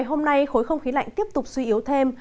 hôm nay khối không khí lạnh tiếp tục suy yếu thêm